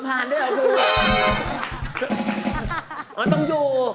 คุณบ้านเดียวกันแค่มองตากันก็เข้าใจอยู่